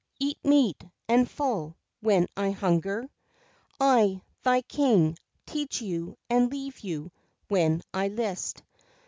Eat meat, and full, when I hunger. I, thy King, teach you and leave you, when I list.